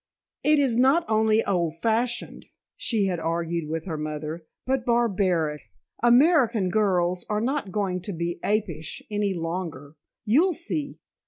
"It is not only old fashioned," she had argued with her mother, "but barbaric. American girls are not going to be ape ish any longer. You'll see."